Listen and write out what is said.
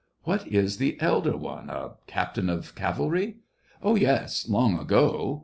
What is the elder one? a captain of cavalry t "*' Oh, yes ! long ago."